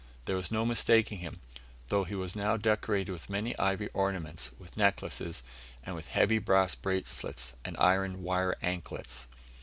There was no mistaking him, though he was now decorated with many ivory ornaments, with necklaces, and with heavy brass bracelets and iron wire anklets.